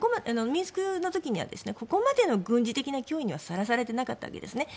ミンスクの時にはここまでの軍事的な脅威にはさらされていなかったわけです。